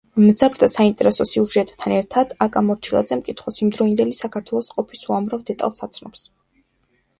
მძაფრ და საინტერესო სიუჟეტთან ერთად აკა მორჩილაძე მკითხველს იმდროინდელი საქართველოს ყოფის უამრავ დეტალს აცნობს.